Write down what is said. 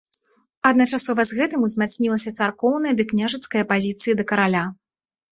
Адначасова з гэтым узмацнілася царкоўная ды княжацкая апазіцыі да караля.